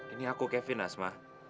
ini aku kevin asma